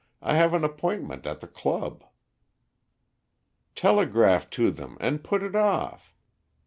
I have an appointment at the club." "Telegraph to them and put it off.